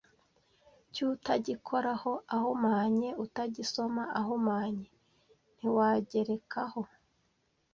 cy utagikoraho ahumanye, utagisoma ahumanye ntiwagerekaho